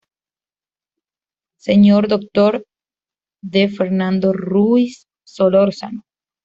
Sr. Dr. D. Fernando Ruiz Solórzano.